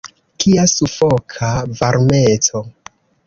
Kia sufoka varmeco!